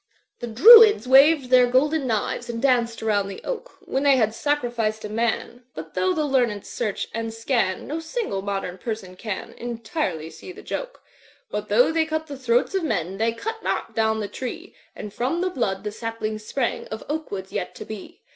"The Druids waved their golden knives And danced around the Oak, When they had sacrificed a man; But though the lezmM search and scat^ No single modem person can Entirely see the joke; But though they cut the throats of men They cut not down the tree, Aad from the blood the saplings sprang Of oak woods yet to be.